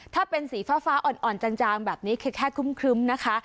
ถ้าเป็นสีฟ้าฟ้าอ่อนอ่อนจางจางแบบนี้คือแค่ครึ้มนะคะ